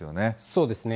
そうですね。